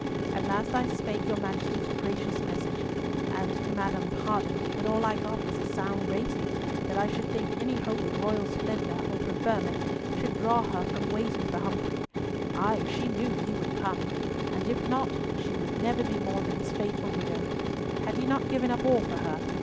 At last I spake your Majesty's gracious message; and, madam, pardon me, but all I got was a sound rating, that I should think any hope of royal splendour or preferment should draw her from waiting for Humfrey. Ay, she knew he would come! And if not, she would never be more than his faithful widow. Had he not given up all for her?